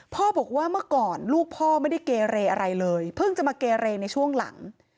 พ่อบอกว่าเมื่อก่อนลูกพ่อไม่ได้เกเรอะไรเลยเพิ่งจะมาเกเรในช่วงหลัง